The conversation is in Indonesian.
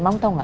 mam tau ga